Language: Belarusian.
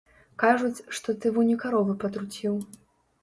Кажуць, што ты вунь і каровы патруціў.